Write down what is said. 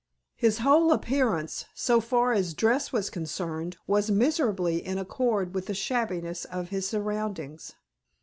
His whole appearance, so far as dress was concerned, was miserably in accord with the shabbiness of his surroundings.